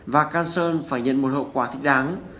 và carson phải nhận một hậu quả thích đáng